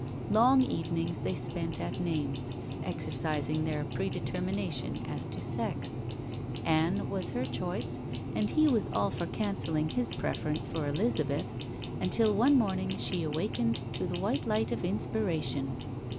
Long evenings they spent at names, exercising their pre determination as to sex. Ann*' was her choice, and he was all for canceling his preference for "Elizabeth," until one morning she awakened to the white light of inspiration.